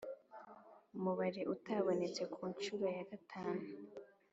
mubare utabonetse kunshuro ya gatanu